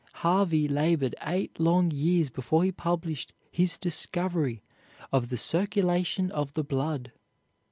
Harvey labored eight long years before he published his discovery of the circulation of the blood.